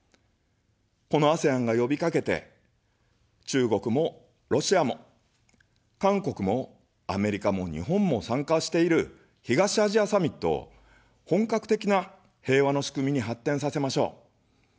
このＡＳＥＡＮがよびかけて、中国もロシアも韓国もアメリカも日本も参加している、東アジアサミットを本格的な平和の仕組みに発展させましょう。